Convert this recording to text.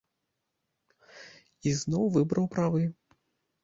І зноў выбраў правы.